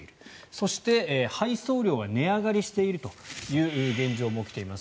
そして、配送料が値上がりしているという現状も起きています。